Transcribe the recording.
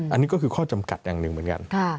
อันนี้ก็คือข้อจำกัดอย่างหนึ่งเหมือนกัน